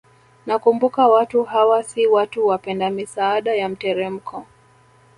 Nakumbuka watu hawa si watu wapenda misaada ya mteremko